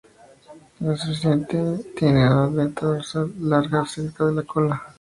Los Sciaenidae tienen una aleta dorsal larga cerca de la cola